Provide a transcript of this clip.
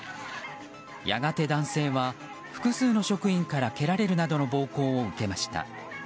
やがて男性は複数の職員から蹴られるなどの暴行を受けました。